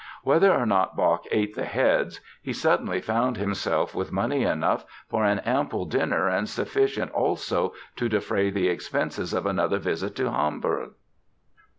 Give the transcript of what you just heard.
Whether or not Bach ate the heads, he suddenly found himself with money enough for an ample dinner and sufficient also to defray the expenses of another visit to Hamburg.